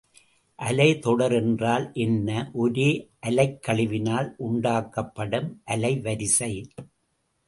அலைத்தொடர் என்றால் என்ன ஒரே அலைக்கழிவினால் உண்டாக்கப்படும் அலை வரிசை.